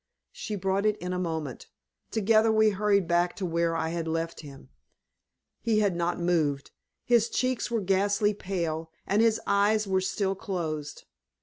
She brought it in a moment. Together we hurried back to where I had left him. He had not moved. His cheeks were ghastly pale, and his eyes were still closed.